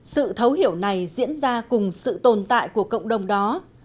sự thấu hiểu này diễn ra cùng sự tồn tại của cộng đồng đó